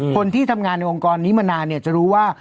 คนที่ทำงานในองค์กรนี้มานานจะรู้ว่า